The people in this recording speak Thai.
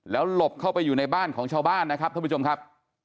หลบเข้าไปอยู่ในบ้านของชาวบ้านนะครับท่านผู้ชมครับ